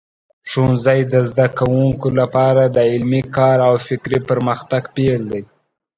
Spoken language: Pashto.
ښوونځی د زده کوونکو لپاره د علمي کار او فکري پرمختګ پیل دی.